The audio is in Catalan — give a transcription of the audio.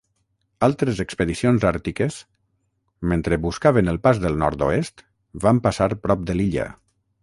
Altres expedicions àrtiques, mentre buscaven el Pas del Nord-oest, van passar prop de l'illa.